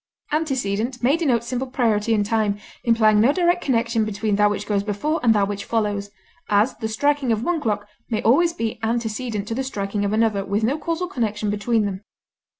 Antecedent may denote simple priority in time, implying no direct connection between that which goes before and that which follows; as, the striking of one clock may be always antecedent to the striking of another with no causal connection between them.